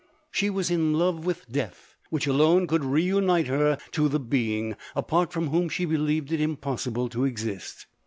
She was in love with death, which alone could reunite her to the being, apart from whom she believed it impos sible to exist.